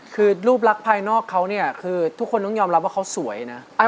คือรูปลักษณ์ภายนอกเขาเนี่ยคือทุกคนต้องยอมรับว่าเขาสวยนะ